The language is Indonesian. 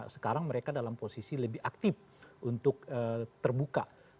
sekarang mereka dalam posisi lebih aktif untuk terbuka